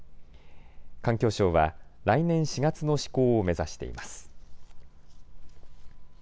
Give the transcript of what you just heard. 環境省は来年４月の施行を目指しています。